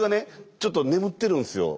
ちょっと眠ってるんすよ